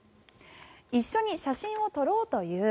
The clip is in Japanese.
一緒に写真を撮ろうと言う。